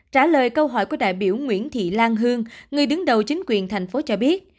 trả lời câu hỏi của đại biểu nguyễn thị lan hương người đứng đầu chính quyền thành phố cho biết